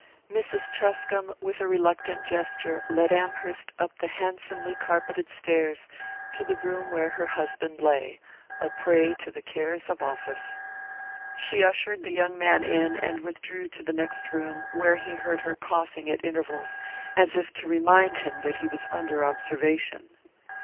Mrs. Truscomb, with a reluctant gesture, led Amherst up the handsomely carpeted stairs to the room where her husband lay, a prey to the cares of office. She ushered the young man in, and withdrew to the next room, where he heard her coughing at intervals, as if to remind him that he was under observation.